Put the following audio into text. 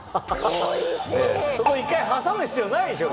そこ１回挟む必要ないでしょ。